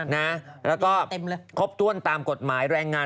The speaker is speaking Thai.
แล้วก็ครบถ้วนตามกฎหมายแรงงาน